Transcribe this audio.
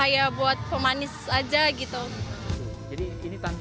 ya buat pemanis aja gitu